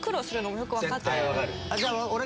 「じゃあ俺」